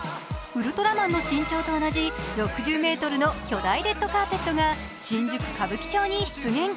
ウルトラマンの身長と同じ６０ｍの巨大レッドカーペットが新宿・歌舞伎町に出現。